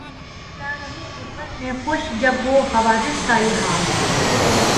کیا رہوں غربت میں خوش جب ہو حوادث کا یہ حال